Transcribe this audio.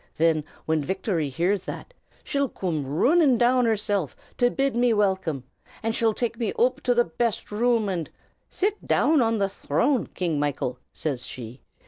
"Thin whin Victory hears that, she'll coom roonnin' down hersilf, to bid me welkim; an' she'll take me oop to the best room, an' "'Sit down an the throne, King Michael,' says she.